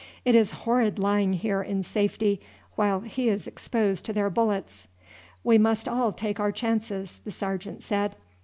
"It is horrid lying here in safety while he is exposed to their bullets." "We must all take our chances," the sergeant said.